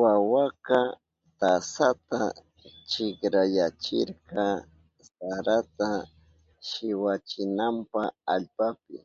Wawaka tasata kinkrayachirka sarata shikwachinanpa allpapi.